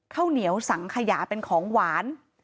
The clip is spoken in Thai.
ข้าวเหนียวสั่งขยะของหวาน